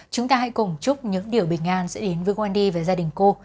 chúng ta hãy cùng chúc những điều bình an sẽ đến với wendy và gia đình cô